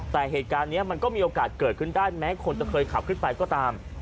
แต่เหตุการณ์นี้มันก็มีโอกาสเกิดขึ้นได้แม้คนจะเคยขับขึ้นไปก็ตาม